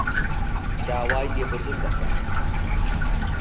داوای لێبوردن دەکەم